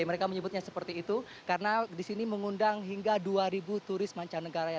mereka menyebutnya seperti itu karena di sini mengundang hingga dua ribu turis mancanegara